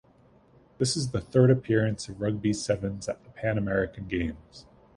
This is the third appearance of Rugby sevens at the Pan American Games.